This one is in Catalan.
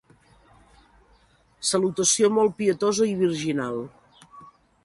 Salutació molt pietosa i virginal.